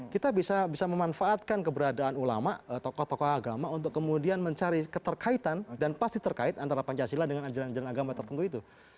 kita bisa memanfaatkan keberadaan ulama tokoh tokoh agama untuk kemudian mencari keterkaitan dan pasti terkait antara pancasila dengan ajaran ajaran agama tertentu itu